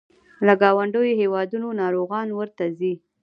له ګاونډیو هیوادونو ناروغان ورته ځي.